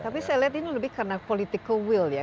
tapi saya lihat ini lebih karena political will ya